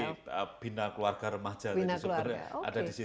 jadi bina keluarga remaja